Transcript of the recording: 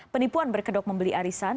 penipuan berkedok membeli arisan